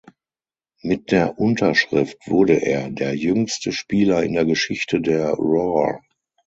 Mit der Unterschrift wurde er der jüngste Spieler in der Geschichte der Roar.